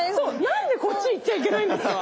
何でこっち行っちゃいけないんですか？